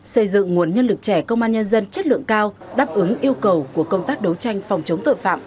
xây dựng nguồn nhân lực trẻ công an nhân dân chất lượng cao đáp ứng yêu cầu của công tác đấu tranh phòng chống tội phạm